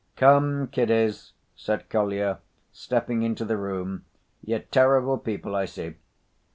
"Come, kiddies," said Kolya, stepping into the room. "You're terrible people, I see."